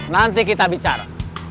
nanti kita bicara